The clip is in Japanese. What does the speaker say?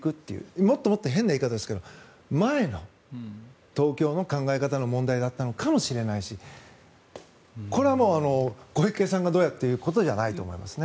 もっともっと変な言い方ですが前の東京の考え方の問題だったのかもしれないしこれはもう小池さんがどうってことじゃないと思いますね。